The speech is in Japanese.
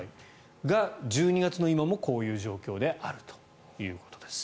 が、１２月の今もこういう状況であるということです。